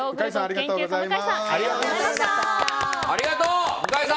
向井さんありがとうございました。